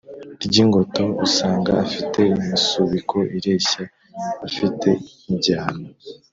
ry'ingoto usanga afite imisubiko ireshya, afite i njyana